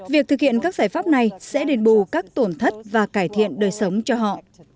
việc thực hiện các giải pháp này sẽ đền bù các tổn thất và cải thiện đời sống cho họ